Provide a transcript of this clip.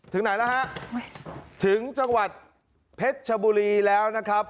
ถึงไหนแล้วฮะถึงจังหวัดเพชรชบุรีแล้วนะครับ